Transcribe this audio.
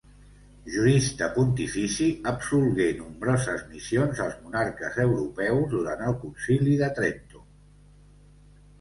Jurista pontifici, absolgué nombroses missions als monarques europeus durant el Concili de Trento.